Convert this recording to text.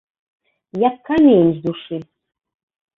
Як камень з душы!